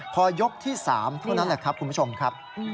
พอยกที่๓เท่านั้นแหละครับคุณผู้ชมครับ